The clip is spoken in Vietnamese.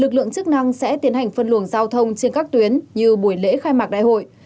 lực lượng chức năng sẽ tiến hành phân luồng giao thông trên các tuyến như buổi lễ khai mạc đại hội